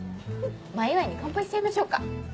前祝いに乾杯しちゃいましょうか？